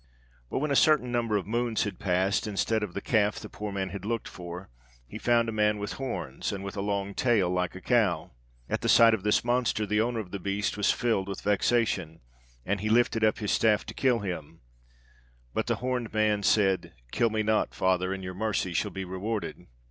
"But when a certain number of moons had passed, instead of the calf the poor man had looked for he found a man with horns, and with a long tail like a cow. And at the sight of this monster the owner of the beast was filled with vexation, and he lifted up his staff to kill him; but the horned man said, 'Kill me not, father, and your mercy shall be rewarded.'